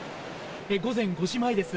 午前５時前です。